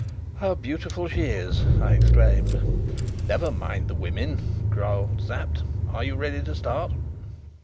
"How beautiful she is!" I exclaimed. "Never mind the woman," growled Sapt. "Are you ready to start?"